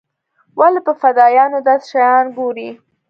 ولې په فدايانو داسې شيان ګوري.